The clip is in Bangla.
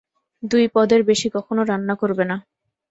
দুই পদের বেশি কখনো রান্না করবে না।